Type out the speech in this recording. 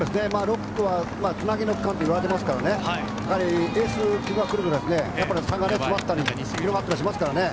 ６区とはつなぎの区間といわれていますからエース級が来ると差が詰まったり広がったりしますからね。